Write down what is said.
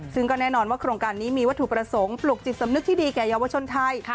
ซึ่งก็แน่นอนว่าโครงการนี้มีวัตถุประสงค์ปลุกจิตสำนึกที่ดีแก่เยาวชนไทย